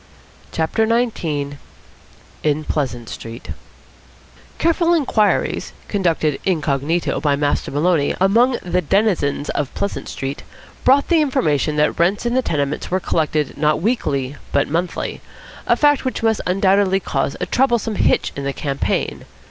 CHAPTER XIX IN PLEASANT STREET Careful inquiries, conducted incognito by Master Maloney among the denizens of Pleasant Street, brought the information that rents in the tenements were collected not weekly but monthly, a fact which must undoubtedly cause a troublesome hitch in the campaign.